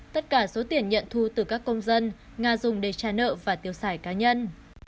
tất cả số tiền nhận thu từ các công dân nga dùng để trả nợ và tiêu sải cá nhân